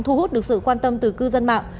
thu hút được sự quan tâm từ cư dân mạng